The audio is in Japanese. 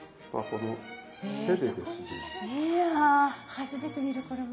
初めて見るこれも。